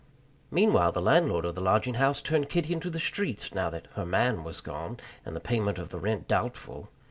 Meanwhile the landlord of the lodging house turned Kitty into the streets, now that "her man" was gone, and the payment of the rent doubtful.